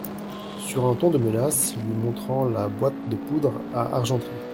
Sur un ton de menace, lui montrant la boîte de poudre à argenterie.